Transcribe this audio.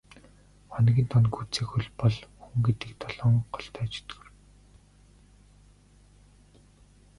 Хоногийн тоо нь гүйцээгүй л бол хүн гэдэг долоон голтой чөтгөр.